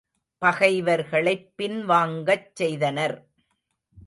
பகைவர்களைப் பின் வாங்கச் செய்தனர்.